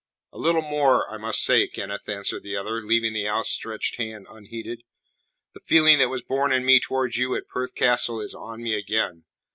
"A little more I must say, Kenneth," answered the other, leaving the outstretched hand unheeded. "The feeling that was born in me towards you at Perth Castle is on me again.